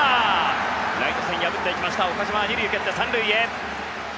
ライト線を破っていきました岡島、２塁を蹴って３塁へ。